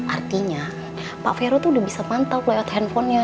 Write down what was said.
artinya pak vero itu udah bisa pantau lewat handphonenya